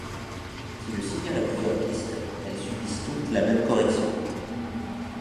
Si le signal a plusieurs pistes, elles subissent toutes la même correction.